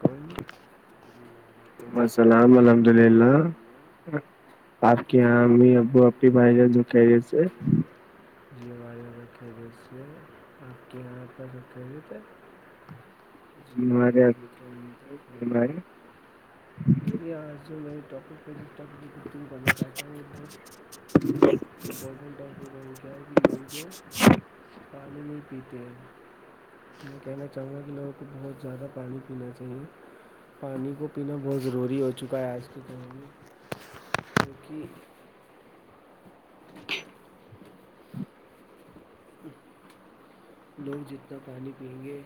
کہ السلام الحمد اللہ آپ کی یہاں امی ابو ابنی بھائی ج دکھ جیسے جی ہم ایجنسی ہے آپ کے یہاں آ کر سکتے ت جار ل آج جو میں ٹاپک پہل ٹاپ تم کرنا چاہتا ہوں بہت امپورٹنٹ آپ یہ کہنا کیااہیں کہ لوگ جو ہے پانی نہیں پیتے میں کہنا چاہوں گا کہ لوگوں کو بہت زیادہ پانی پینا چاہیے پانی کو پینا بہت ضروری ہو چکا ہے آج کے دور میں کیونکہ لوگ جتنا پانی پیئیں گے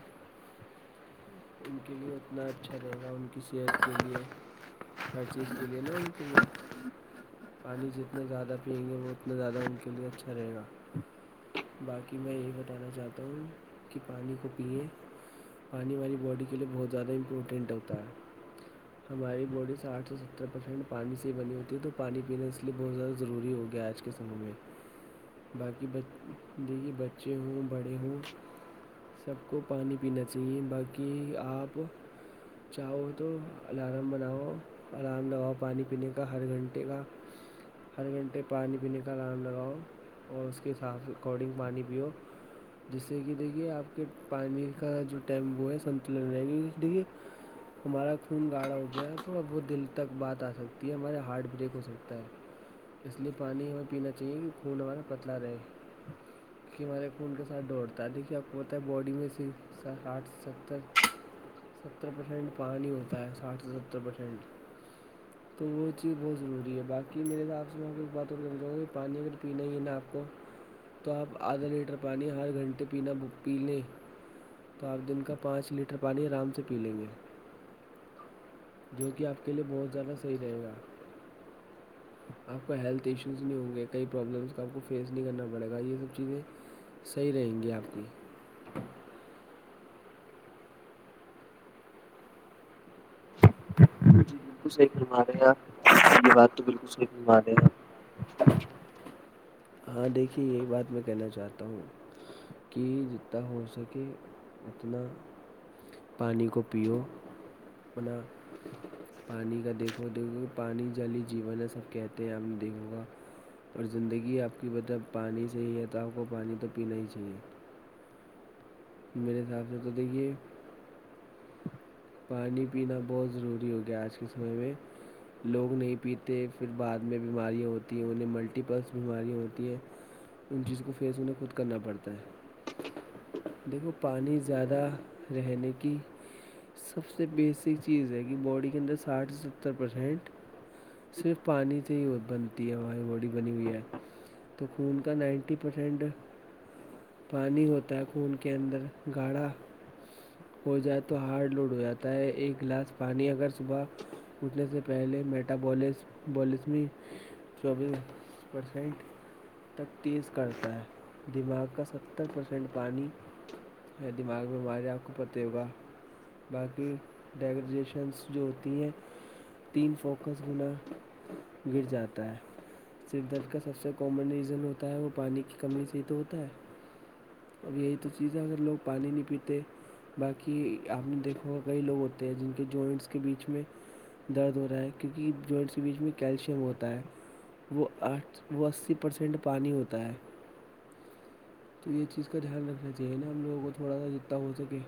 ان کے لیے اتنا اچھا رہے گا ان کی صحت کے لیے ہر چیز کے لیے نہیں ہونی چاہیے پانی جتنے زیادہ پئیں گے وہ اتنا زیادہ ان کے لئے اچھا رہے گا باقی میں یہی بتانا چاہتا ہوں کہ پانی کو پیے پانی والی باڈی کے لیے بہت زیادہ امپورٹینٹ ہوتا ہے ہماری باڈی ساٹھ سے ستر پرسینٹ پانی سے بنی ہوتی ہے تو پانی پینا اس لیے بہت زیادہ ضروری ہو گیا آج کے سموں میں باقی یہی بچے ہوں بڑے ہوں سب کو پانی پینا چاہیے باقی آپ چاہو تو الارم بناؤ آرام لگاؤ پانی پینے کا ہر گھنٹے کا ہر گھنٹے پانی پینے کا الام لگاؤ اور اس کے حساب سے اکارڈنگ پانی پیو جس سے کہ دیکھیے آپ کے پانی کا جو ٹائم وہ ہے سنتلن رہے گا دیکھیے ہمارا خون گاڑھا ہو گیا ہے تھوڑا بہت دل تک بات آ سکتی ہے ہمارے ہارٹ بریک ہو سکتا ہے اس لیے پانی ہمیں پینا چاہیے کہ خون ہمارا پتلا رہے کہ مارے خون کے ساتھ دوڑتا ہے لیکن اب ہوتا ہے باڈی میں سے کارٹس ستر ستر پرسینٹ پانی ہی ہوتا ہے ساٹھ سے ستر پرسینٹ [unintelligible] تو وہ چیز بہت ضروری ہے باقی میرے حساب سے میں کچھ بات اور کرنا چاہوں گا کہ پانی اگر پینا ہی ہے نا آپ کو تو آپ آدھا لیٹر پانی ہر گھنٹے پینا پی لیں تو آپ دن کا پانچ لیٹر پانی آرام سے پی لیں گے جو کہ آپ کے لئے بہت زیادہ صحیح رہے گا آپ کا ہیلتھ ایشوز نہیں ہوں گے کئی پرابلمس کا آپ کو فیس نہیں کرنا پڑے گا یہ سب چیزیں صحیح رہیں گی آپ کی جی بالکل صحیح فرما رہے ہیں آپ یہ بات تو بالکل صحیح فرما رہے ہیں آپ اچ ہاں دیکھیے یہی بات میں کہنا چاہتا ہوں کہ جتا ہو سکے اتنا پانی کو پیو اپنا پانی کا دیکھو دیکھو پانی جل ہی جیون ہے سب کہتے ہیں آپ نے دیکھا ہوگا اور زندگی آپ کی مطلب پانی سے ہی ہے تو آپ کو پانی تو پینا ہی چاہیے میرے حساب سے تو دیکھیے پانی پینا بہت ضروری ہو گیا آج کے سمے میں لوگ نہیں پیتے پھر بعد میں بیماریاں ہوتی ہیں انہیں ملٹیپلس بیماریاں ہوتی ہیں ان چیز کو فیس انہیں خود کرنا پڑتا ہے دیکھو پانی زیادہ رہنے کی سب سے بیسک چیز ہے کیونکہ باڈی کے اندر ساٹھ سے ستر پرسینٹ صرف پانی سے ہی بنتی ہے ہماری باڈی بنی ہوئی ہے تو خون کا نائنٹی پرسینٹ پانی ہوتا ہے خون کے اندر گاڑھا ہو جائے تو ہارڈ لوٹ ہو جاتا ہے ایک گلاس پانی اگر صبح اٹھنے سے پہلے میٹابولزم چوبیس پرسینٹ تک تیز کرتا ہے دماغ کا ستر پرسینٹ پانی ہے دماغ میں بیماریاں آپ کو پتہ ہوگا باقی ڈیکوریشنس جو ہوتی ہیں تین فوکس گنا گر جاتا ہے سر درد کا سب سے کامن ریزن ہوتا ہے وہ پانی کی کمی سے ہی تو ہوتا ہے اب یہی تو چیز ہے اگر لوگ پانی نہیں پیتے باقی ہم دیک اور کئی لوگ ہوتے ہیں جن کے جوائنٹس کے بیچ میں درد ہو رہا ہے کیونکہ جوائنٹس کے بیچ میں کیلشیم ہوتا ہے وہ آٹھ وہ اسی پرسینٹ پانی ہوتا ہے تو یہ چیز کا دھیان رکھنا چاہیے نا ہم لوگوں کو تھوڑا سا جتنا ہو سکے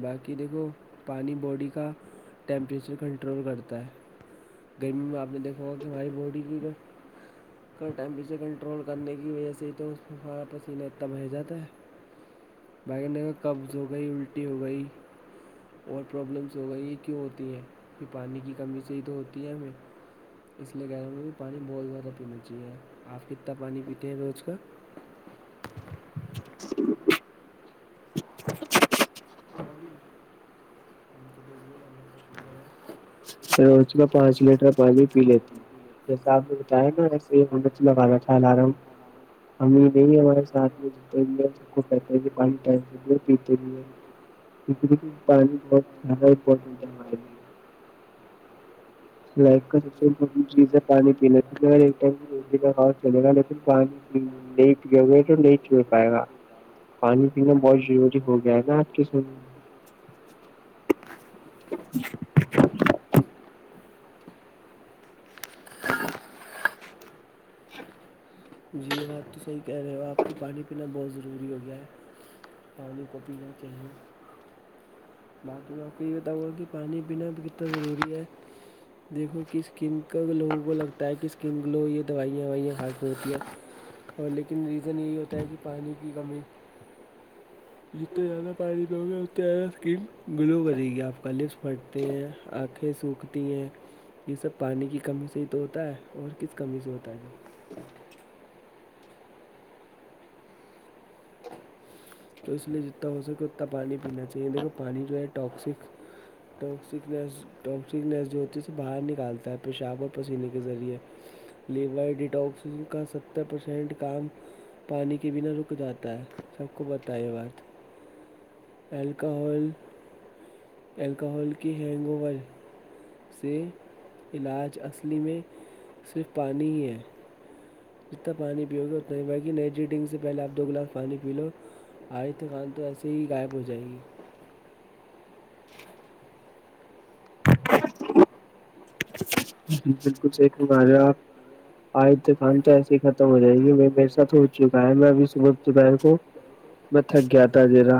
باقی دیکھو پانی باڈی کا ٹیمپریچر کنٹرول کرتا ہے گرمی میں آپ نے دیکھا ہوا کہ ہماری باڈی ٹیک ہے کا ٹیمپیچر کنٹرول کرنے کی وجہ سے تو اس میں فارا پسینتم بہ جاتا ہے بھائی انڈ میں قبز ہو گئی الٹی ہو گئی اور پرابلمس ہو گئی یہ کیوں ہوتی ہیں پھر پانی کی کمی صی تو ہوتی ہے ہمیں اس لیے کہہ رہا میں بھی پانی بہت زیادہ پینا چاہیے آپ کتنا پانی پیتے ہیں روز کا [inaudible] ہوں پچ [inaudible] اس میں پانچ لیٹر پانی پی لیتی ہوں جیسا آپ نے بتایا نا ایے ہیگانا رہا ہمیں نہیں ہمارے ساتھ میں جتے بھی ہیں سب کو کہتے ہے کہ پانی ٹائم سے پیتے بھی ہیں پانی بہت زیادہ امپورٹنٹ ہے ہمارے لی [inaudible] لائف کا سب سے امپٹینٹ چیز ہے جیسے پانی پینے پینا ایک ٹائم روٹی کااؤ چلے گا لیکن پانی نہیں پ گے تو نہیں چو پائے گا پانی پینا بہت ضروری ہو گیا ہے نا آج کے سمے میں [inaudible] خٹ جی میں آب تو صحیح کہہ رہے ہو آپ کو پانی پینا بہت ضروری ہو گیا ہے پانی کو پینا چاہیے بعق میں میں آپ کو یہ بتاؤں گا کہ پانی پینا بھی کتنا ضروری ہے دیکھو کہ اسکن کا لوگوں کو لگتا ہے کہ اسکن کولو یہ دوائیاں وائیاں خرکم ہوتی ہیں اور لیکن ریزن یہی ہوتا ہے کہ پانی کی کمی جتے جیادہ پانی پ گے اتتے کہ گلو کرے گی آپ کا لپس پھٹتے ہیں آنکھیں سوکھتی ہیں یہ سب پانی کی کمی سے ہی تو ہوتا ہے اور کس کمی سے ہوتا ہے نہیں تو اس لیے جتنا ہو سکے اتنا پانی پینا چاہیے دیکھو پانی جو ہے ٹاکسک ٹگ سکنس ٹس نس جو ہوتی ہے سے باہر نکالتا ہے پیشاب اور پسینے کے ذریعے لیور ڈیٹاکس کا ستر پرسینٹ کام پانی کے بنا رک جاتا ہے سب کو بتائیے بات الکحل الکحل کی ہینگ اوور سے علاج اصلی میں صرف پانی ہی ہے جتنا پانی پیو گے اتنا ہی بگی نئی جی ڈنگ سے پہلے آپ دو گلاس پانی پی لو آائد خان تو ایسے ہی غائب ہو جائے گی [inaudible] جی بالکل سھ ر آج آپ آ د کان تو ایسے ہی ختم ہو جائے گی میرے ساتھ ہو چکا ہے میں ابھی صبحپہر کو میں تھگیا تھا جذا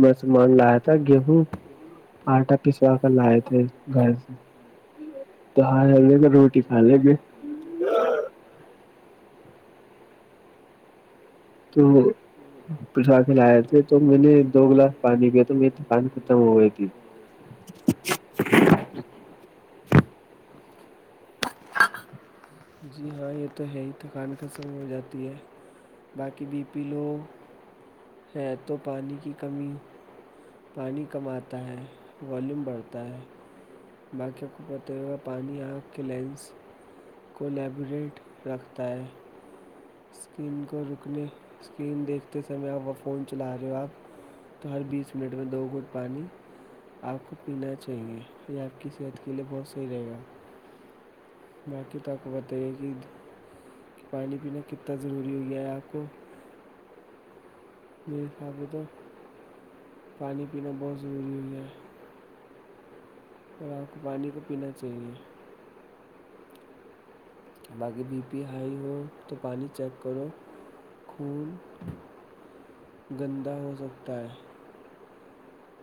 میں سامان لایا تھا گے ہوں آٹا پسوا کر لائے تھے گھر [inaudible] روٹی کھا لیں گے تو پسوا کے لائے تھے تو میں نے دو گلاس پانی پییا تو میری پانی ختم ہو گئی تھی [unintelligible] جی یہ تو ہے ہی تھکان کے سمی ہو جاتی ہے باقی بی پی لو شاید تو پانی کی کمی ہو پانی کم آتا ہے والوم بڑھتا ہے باقیوں کو تو پانی آنکھ کے لینس کو لیبرکیٹ رکھتا ہے اسکرین کو رکنے اسکرین کو دیکھتے سمئے آپ وہ فون چلا رہے ہو آپ تو ہر بیس منٹ میں دو گھونٹ پانی آپ کو پینا چاہیے یہ آپ کی صحت کے لیے بہت صحیح رہے گا باقی تو آپ کو پتہ ہی ہے کہ پانی پنے کتنا ضروری ہو گیا ہے آپ کو میرے حساب سے تو پانی پینا بہت ضروری ہوگیا ہے آپ کو پانی تو پینا چاہیے باقی بی پی ہائی ہو تو پانی چیک کرو خون گندا ہو سکتا ہے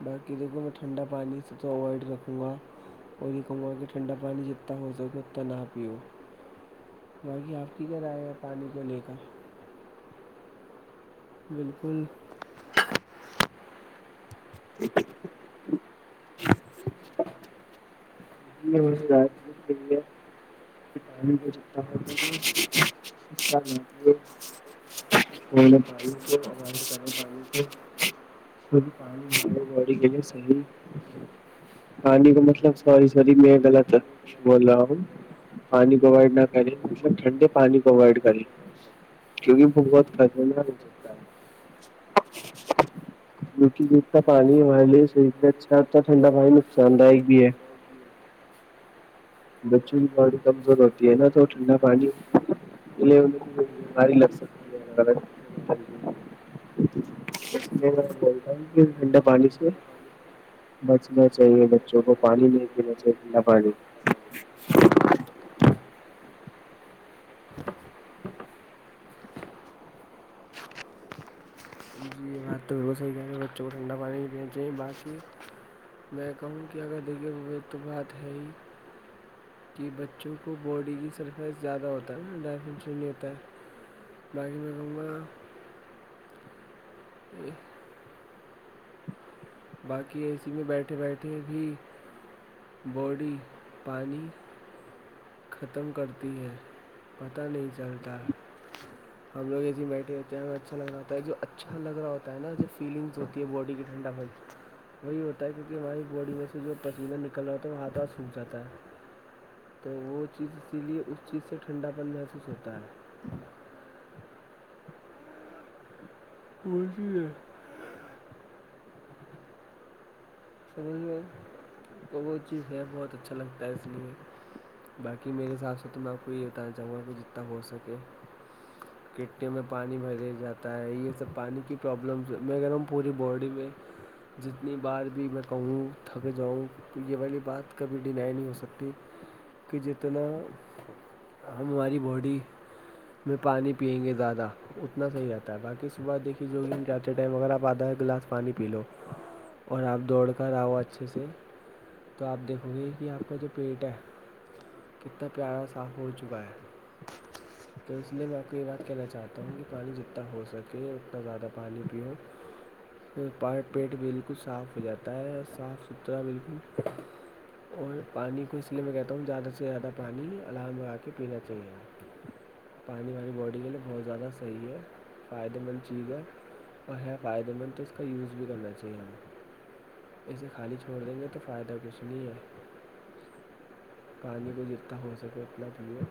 باقی جگہوں میں ٹھنڈا پانی سے تو اوائڈ رکھوں گا اور یہی کہوں گا کہ ٹھنڈا پانی جتنا ہو سکے اتنا نہ پیو باقی آپ کی کیا رائے ہیں پانی کو لے کر بالکل ج [inaudible] [inaudible] [inaudible] باڈی کے لیے صحیح پانی کا مطلب سوری میں غلط بول رہا ہوں پانی کو اوائڈ نہ کرے مطلب ٹنڈے پانی کو اوائڈ کرے کیونکہ وہ بہت خطرناک ہو سکتا ہے کیونکہ پانی ہمارے لیے صحیح اچھا ٹھنڈا پانی نقصان دائک بھی ہے بچوں کی باڑی کمزور ہوتی ہے نا تو ٹھنڈا پانی [inaudible] بولتا ہوں کہ ٹھنڈا پانی سے بچنا چاہیے بچوں کو پانی نہیں پینا چاہیے ٹھنڈا پانی ش جی بات تو بلکل صحیح کہہ رہے ہو بچوں کو ٹنڈا پانی نہیں دینا چاہیں باقی میں کہاوں کہ اگر دیکھیے وہ تو بات ہے ہی کہ بچوں کو باڈی کی سرفس زیادہ ہوتا ہے نا ڈفش نہیں ہوتا ہے باقی میں کہوں گا گا باقی اے سی میں بیٹھے بیٹھے بھی باڈی پانی ختم کرتی ہے پتہ نہیں چلتا ہم لوگ ایسے ہی بیٹھے ہوتے ہیں ہمیں اچھا لگا ہو ہے جو اچھا لگ رہاتا ہے نا جو فیلنگس ہوتی ہے باڈی کی ٹھنڈا وہی ہوتا ہے کیونکہ ہماری باڈی میں سے جو پسینہ نکل رہاتا ہے وہ ہاتھ ہاتھ سوکھ جاتا ہے تو وہ چیز اسی لیے اس چیز سے ٹھنڈا پن محسوس ہوتا ہے [inaudible] میں تو وہ چیز ہے بہت اچھا لگتا ہے اس لیے باقی میرے حساب سے تو میں آپ کو یہ بتانا چاہوں گا کہ جتنا ہو سکے گٹی میں پانی بھریا جاتا ہے یہ سب پانی کی پرابلمس میں اگر ہم پوری باڈی میں جتنی بار بھی میں کہوں تھک جاؤں تو یہ والی بات کبھی ڈینائی نہیں ہو سکتی کہ جتنا ہماری باڈی میں پانی پئیں گے زیادہ اتنا صحیح رہتا ہے باقی صبح دیکھیے جو کہ ہم جاہتے ہیں ٹائم اگر آپ آدھا ایک گلاس پانی پی لو اور آپ دوڑ کر آؤ اچھے سے تو آپ دیکھو گے کہ آپ کا جو پیٹ ہے کتا پیارا صاف ہو چکا ہے تو اس لیے میں آپ کو یہ بات کہنا چاہتا ہوں کہ پانی جتنا ہو سکے اتنا زیادہ پانی پیوں پیٹ بالکل صاف ہو جاتا ہے صاف ستھرا بالکل اور پانی کو اس لیے میں کہتا ہوں زیادہ سے زیادہ پانی الام لگا کے پینا چاہیے پانی ہماری باڈی کے لیے بہت زیادہ صحیح ہے فائدے مند چیز ہے اور ہے فائدے مند تو اس کا یوز بھی کرنا چاہیے اسے خالی چھوڑ دیں گے تو فائدہ کچھ نہیں ہے پانی کو جتنا ہو سکے اتنا پیو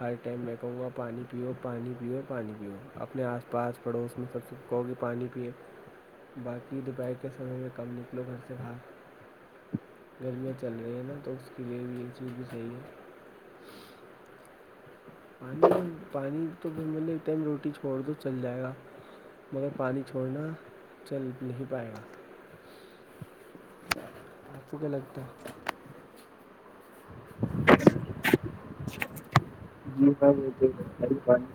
ہر ٹائم میں کہوں گا پانی پیو پانی پیو پانی پیو اپنے آس پاس پڑوس میں سب سے کوی پانی پئے باقی دوپہر کے سموں میں کم نکلو گھر سے باہر گرمیاں چل رہی ہیں نا تو اس کے لیے بھی یہ چیز بھی صحیح ہے پانی پانی تو پھر مطلب ایک ٹائم روٹی چھوڑ دو چل جائے گا مگر پانی چھوڑنا چل نہیں پائے گا آپ کو کیا لگتا ہے ہ جی ہاں وہ تو [inaudible]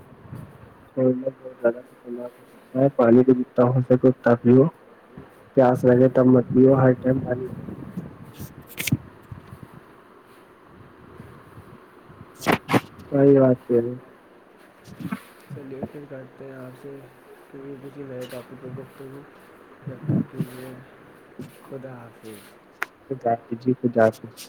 [inaudible] پانی تو جتنا ہو سکے اتنا پیو پیاس لگے تب مت پیو ہر ٹائم پانی پیو [inaudible] چلیے پھر کرتے ہیں آپ سے تو بھر کبھی میں گفتگو تب تک کے لیے خدا حافظ خدا حافظ جی خدا حافظ